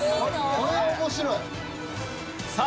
これは面白い！